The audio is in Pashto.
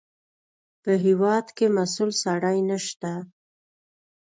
په هېواد کې مسوول سړی نشته.